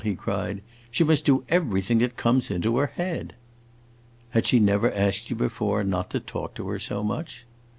he cried. "She must do everything that comes into her head!" "Had she never asked you before not to talk to her so much?"